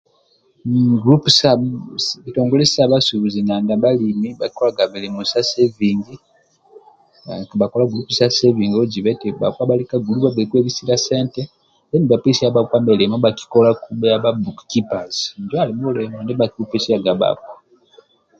Mmm gulupu sa sa kitongole sa bhasubuzi na ndia bhalimi bhakikolga mulimo sa sevingi mmm kabhakola gulupu sa sevingi bhajiba eti bhakpa bhalikagi bhagbei kwebisilia sente then bhapesia bhakpa milimo ndibha kikolaku bhia bha buku kipas injo ali mulimo ndia bhakibhupesiaga bhakpa